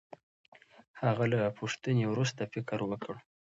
هغه له پوښتنې وروسته فکر وکړ.